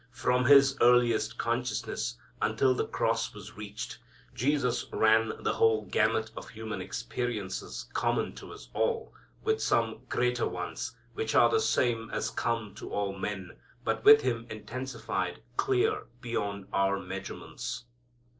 From His earliest consciousness until the cross was reached, Jesus ran the whole gamut of human experiences common to us all, with some greater ones, which are the same as come to all men, but with Him intensified clear beyond our measurements.